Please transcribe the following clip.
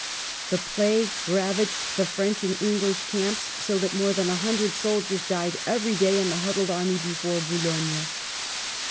The plague ravaged the French and English camps, so that more than a hundred soldiers died every day in the huddled army before Boulogne.